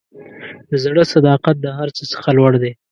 د زړه صداقت د هر څه څخه لوړ دی.